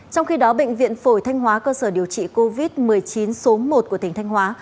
trong khi đó bệnh viện phổi thanh hóa cơ sở điều trị covid một mươi chín số một của tỉnh thanh hóa